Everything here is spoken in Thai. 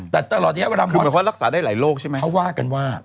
คือมันก็ว่ารักษาได้หลายโรคใช่ไหม